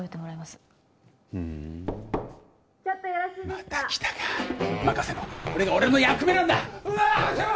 また来たか任せろこれが俺の役目なんだうあああ！